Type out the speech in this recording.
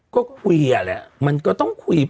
ก็คุยอ่ะแหละมันก็ต้องคุย